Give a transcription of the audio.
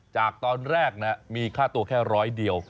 จากตอนแรกมีค่าตัวแค่ร้อยเดียว